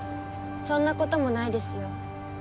そんなこともないですよ。